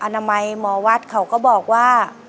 นามัยหมอวัดเขาก็บอกว่า